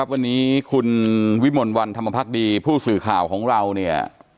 วันนี้คุณวิมลวันธรรมพักดีผู้สื่อข่าวของเราเนี่ย